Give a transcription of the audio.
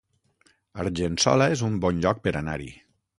Argençola es un bon lloc per anar-hi